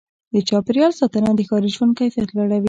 د چاپېریال ساتنه د ښاري ژوند کیفیت لوړوي.